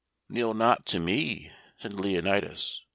"Kneel not to me," said Leonatus.